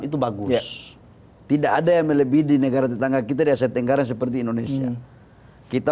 itu bagus tidak ada yang melebih di negara tetangga kita di asia tenggara seperti indonesia kita